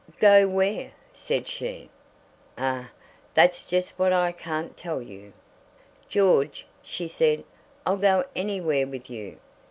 "Go where?" said she. "Ah! that's just what I can't tell you." "George," she said, "I'll go anywhere with you.